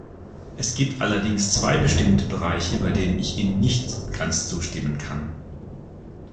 Es gibt allerdings zwei bestimme Bereiche, bei denen ich Ihnen nicht ganz zustimmen kann.